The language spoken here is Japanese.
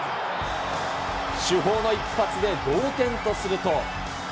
主砲の一発で同点とすると。